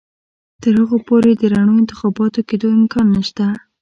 تر هغو پورې د رڼو انتخاباتو کېدو امکان نشته.